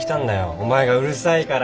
お前がうるさいから。